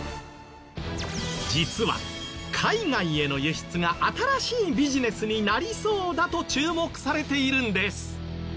実は海外への輸出が新しいビジネスになりそうだと注目されているんです。